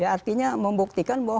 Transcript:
artinya membuktikan bahwa